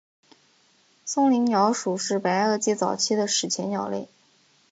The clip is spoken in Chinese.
松岭鸟属是白垩纪早期的史前鸟类。